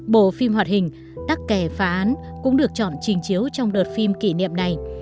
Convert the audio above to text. bộ phim hoạt hình tắc kẻ phá án cũng được chọn trình chiếu trong đợt phim kỷ niệm này